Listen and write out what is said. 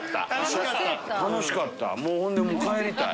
楽しかった。